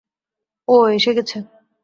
ও এসে গেছে।